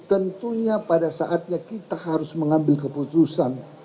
tentunya pada saatnya kita harus mengambil keputusan